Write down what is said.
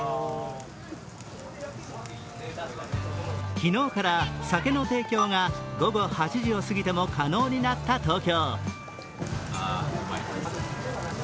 昨日から、酒の提供が午後８時を過ぎても可能になった東京。